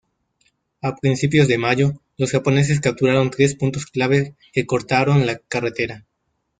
A principios de mayo los Japoneses capturaron tres puntos clave que cortaron la Carretera.